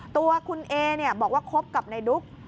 ตัวคุณเอบอกว่าคบกับในดุ๊ก